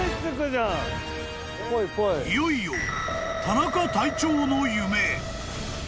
［いよいよ田中隊長の］